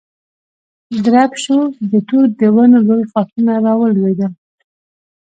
درب شو، د توت د ونو لوی ښاخونه را ولوېدل.